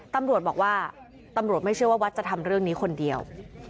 ตำรวจบอกว่าตำรวจไม่เชื่อว่าวัดจะทำเรื่องนี้คนเดียว